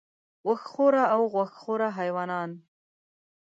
وښ خوره او غوښ خوره حیوانان